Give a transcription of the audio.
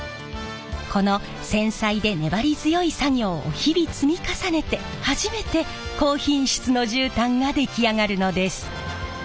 この繊細で粘り強い作業を日々積み重ねて初めて高品質の絨毯が出来上がるのです。